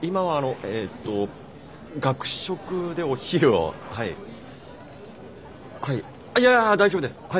はいいや大丈夫です。